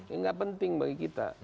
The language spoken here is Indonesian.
ini nggak penting bagi kita